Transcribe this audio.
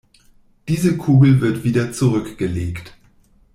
Diese Kugel wird wieder zurückgelegt.